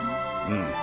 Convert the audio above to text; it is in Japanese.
うん。